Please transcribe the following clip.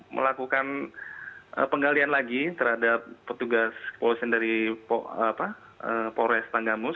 melakukan penggalian lagi terhadap petugas kepolosan dari pores tanggamus